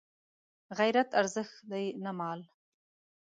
غیرت ارزښت دی نه مال